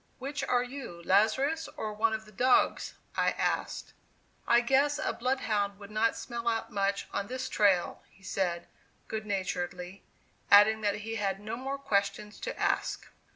"Which are you, Lazarus, or one of the dogs?" I asked. "I guess a blood hound would not smell out much on this trail," he said good naturedly, adding that he had no more questions to ask.